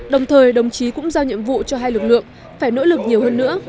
đồng thời đồng chí cũng giao nhiệm vụ cho hai lực lượng phải nỗ lực nhiều hơn nữa